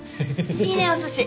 いいねお寿司。